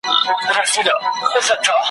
نه طبیب نه عزراییل مو خواته راغی `